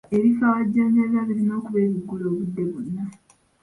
Ebifo awajjanjabirwa birina okuba ebiggule obudde bwonna.